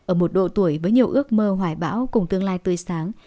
ở một độ tuổi với nhiều ước mơ hoài bão cùng tương lai tươi sáng